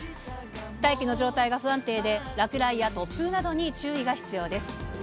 大気の状態が不安定で、落雷や突風などに注意が必要です。